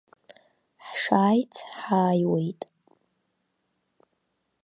Ҳшааиц ҳааиуеит.